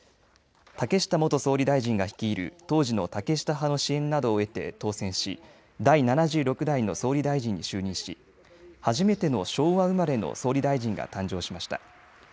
竹下元総理大臣が率いる当時の竹下派の支援などを得て当選し第７６代の総理大臣に就任し初めての昭和生まれの総理大臣が誕生しました。